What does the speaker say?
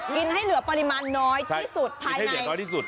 กินให้เหลือปริมาณน้อยที่สุดใช่ใช่ให้เหลือน้อยที่สุด